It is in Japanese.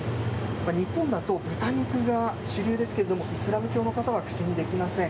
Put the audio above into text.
日本だと豚肉が主流ですけれども、イスラム教の方は口にできません。